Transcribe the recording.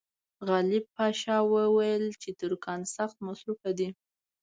غالب پاشا وویل چې ترکان سخت مصروف دي.